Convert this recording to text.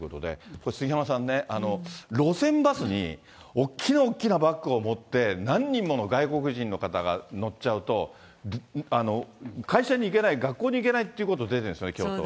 これ、杉山さんね、路線バスに大きな大きなバッグを持って、何人もの外国人の方が乗っちゃうと、会社に行けない、学校に行けないっていうこと出てるんですよね、京都は。